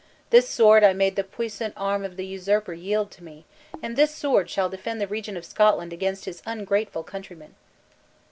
This sword I made the puissant arm of the usurper yield to me; and this sword shall defend the Regent of Scotland against his ungrateful countrymen!"